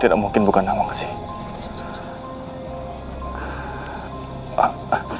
tidak mungkin bukan nawang esim